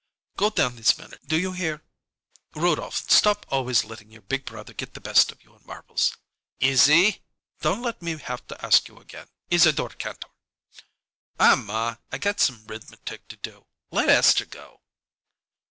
"Go down this minute do you hear? Rudolph, stop always letting your big brother get the best of you in marbles. Iz zie!" "In a minute." "Don't let me have to ask you again, Isadore Kantor!" "Aw, ma, I got some 'rithmetic to do. Let Esther go!"